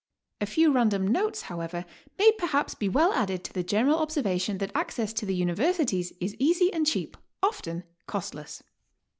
A few random notes, however, may perhaps be well added to the general observation that access to the Universities is easy and cheap, often costless.